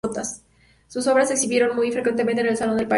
Sus obras se exhibieron muy frecuentemente el en "Salon de Paris".